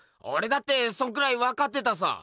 オレだってそんくらいわかってたさ！